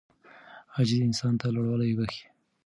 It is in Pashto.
عاجزي انسان ته لوړوالی بښي.